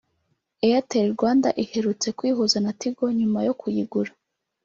Airtel Rwanda iherutse kwihuza na Tigo nyuma yo kuyigura